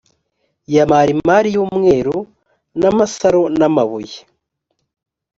ya marimari y umweru n amasaro n amabuye